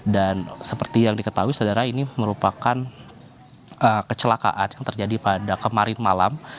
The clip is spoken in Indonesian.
dan seperti yang diketahui saudara ini merupakan kecelakaan yang terjadi pada kemarin malam